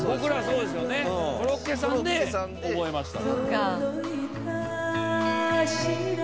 コロッケさんで覚えましたから。